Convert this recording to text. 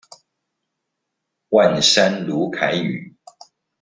萬山魯凱語